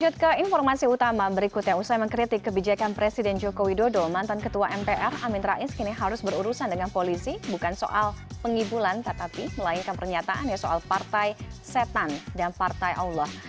lanjut ke informasi utama berikutnya usai mengkritik kebijakan presiden joko widodo mantan ketua mpr amin rais kini harus berurusan dengan polisi bukan soal pengibulan tetapi melainkan pernyataan ya soal partai setan dan partai allah